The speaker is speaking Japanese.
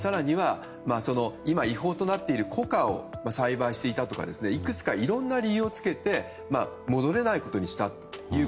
それから今、違法となっているコカを栽培していたとかいくつかいろんな理由をつけて戻れないことにしたと。